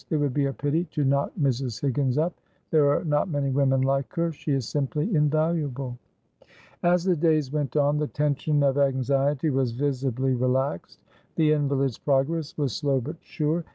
"It would be a pity to knock Mrs. Higgins up. There are not many women like her; she is simply invaluable." As the days went on the tension of anxiety was visibly relaxed. The invalid's progress was slow but sure.